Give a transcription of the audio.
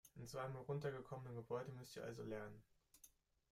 In so einem heruntergekommenen Gebäude müsst ihr also lernen?